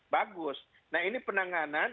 bagus nah ini penanganan